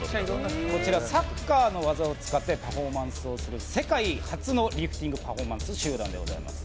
こちらサッカーの技を使ってパフォーマンスをする世界初のリフティングパフォーマンス集団です。